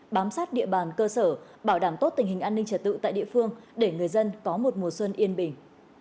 bám sát địa bàn cơ sở bảo đảm tốt tình hình an ninh trật tự tại địa phương để người dân có một mùa xuân yên bình